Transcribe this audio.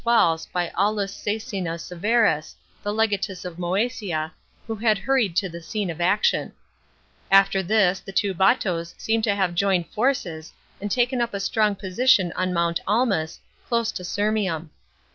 PANNONIAN REBELLION. 133 walls by Aulus Caecina Severus, the legatus of Moesia, wlio had hurried to the scene of action. After this the two Batos seem to have joined forces and taken up a strong position on Mount Almas, close to Sirmium.